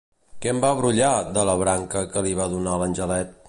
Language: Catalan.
Què en va brollar, de la branca que li va donar l'angelet?